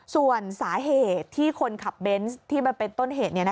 ส่วนสาเหตุที่คนขับเบนส์ที่มันเป็นต้นเหตุ